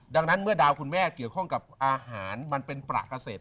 ดังนั้นเมื่อดาวคุณแม่เกี่ยวข้องกับอาหารมันเป็นประเกษตร